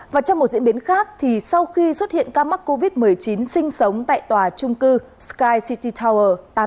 và trong một diễn biến khác thì sau khi xuất hiện ca mắc covid một mươi chín sinh sống tại tòa trung cư sky city tower tám mươi